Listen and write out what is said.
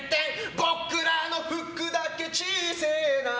僕らの服だけ小せえな。